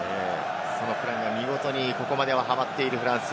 そのプランが見事にここまでハマっているフランス。